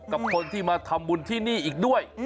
กับคนที่มาทำบุญที่นี่อีกด้วย